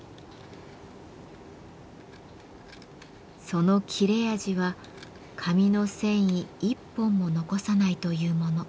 その切れ味は紙の繊維一本も残さないというもの。